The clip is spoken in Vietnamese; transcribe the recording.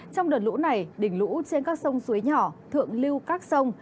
trong đợt lũ này đỉnh lũ trên các sông suối nhỏ thượng lưu các sông